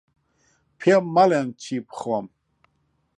پێم مەڵێن چی بخۆم.